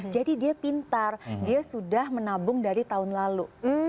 jadi dia pintar dia sudah menabung dari tahun lalu